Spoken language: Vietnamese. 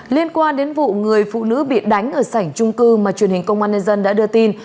liên quan đến vụ người phụ nữ bị đánh ở sảnh trung cư mà truyền hình công an nhân dân đã đưa tin